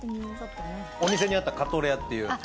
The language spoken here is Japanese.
お店にあったカトレアっていう。